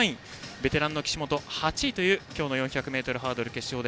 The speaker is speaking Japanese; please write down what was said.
ベテランの岸本が８位という今日の４００ｍハードル決勝。